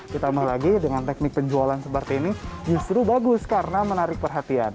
ditambah lagi dengan teknik penjualan seperti ini justru bagus karena menarik perhatian